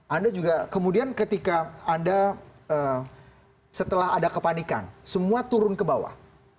anda juga kemudian ketika anda setelah ada kepanikan semua turun ke bawah